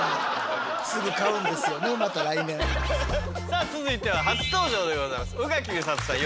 さあ続いては初登場でございます宇垣美里さん